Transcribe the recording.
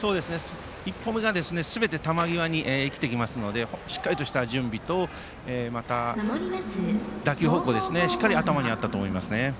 １歩目がすべて球際に生きてきますのでしっかりとした準備と打球方向が頭にあったと思いますね。